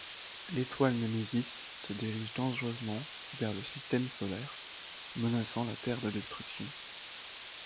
L'étoile Némésis se dirige dangereusement vers le système solaire, menaçant la Terre de destruction.